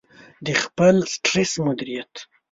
-د خپل سټرس مدیریت